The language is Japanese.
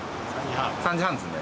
３時半ですね。